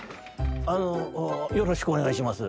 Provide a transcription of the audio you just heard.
「あのよろしくおねがいします」。